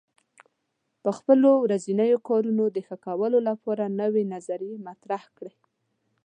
د خپلو ورځنیو کارونو د ښه کولو لپاره نوې نظریې مطرح کړئ.